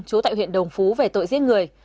chú tại huyện đồng phú về tội giết người